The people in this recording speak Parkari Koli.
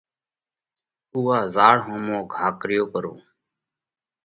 اُوئا زاۯ ۿومو گھا ڪريو پرو۔